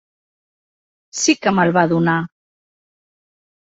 Sí que me'l va donar.